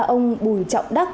ông bùi trọng đắc